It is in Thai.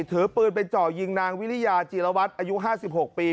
ถือปืนไปเจาะยิงนางวิริยาจีรวัตรอายุ๕๖ปี